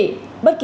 thưa quý vị